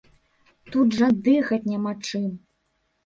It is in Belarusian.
Тут жа дыхаць няма чым!